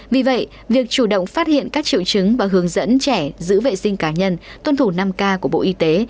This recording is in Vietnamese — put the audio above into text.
vì vậy việc chủ động phát hiện các triệu chứng và hướng dẫn trẻ giữ vệ sinh cá nhân tuân thủ năm k của bộ y tế